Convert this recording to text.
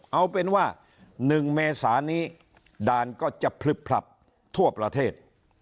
เอาเป็นว่า๑เมษานี้ด่านก็จะพลึบพลับทั่วประเทศ